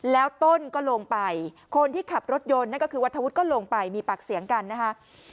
แล้วต้นก็ลงไปคนที่ขับรถยนต์นั่นก็คือวัฒวุฒิก็ลงไปมีปากเสียงกันนะคะ